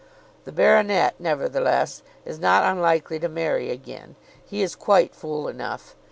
The baronet, nevertheless, is not unlikely to marry again; he is quite fool enough.